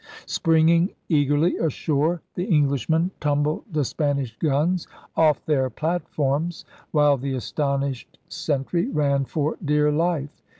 Springing eagerly ashore the Englishmen DRAKE'S BEGINNING 105 tumbled the Spanish guns off their platforms while the astonished sentry ran for dear life.